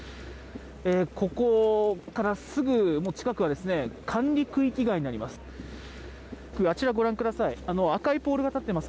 ここからすぐもう近くはですね、管理区域外になります。